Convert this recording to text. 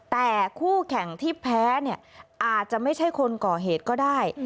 แต่คู่แข่งที่แพ้เนี่ยอาจจะไม่ใช่คนก่อเหตุก็ได้